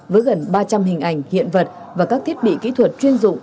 với gần ba trăm linh hình ảnh hiện vật và các thiết bị kỹ thuật chuyên dụng